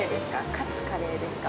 勝つカレーですか？